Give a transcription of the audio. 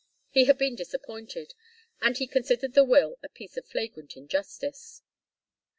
He had been disappointed, and he considered the will a piece of flagrant injustice.